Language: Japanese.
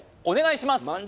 お願いします